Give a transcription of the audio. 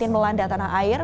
melanda tanah air